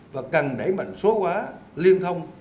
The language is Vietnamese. và cần đẩy mạnh số hóa liên thông